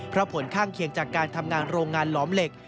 เพราะผลข้างเคียงจากการทำงานโรงงานหลอมเหล็ก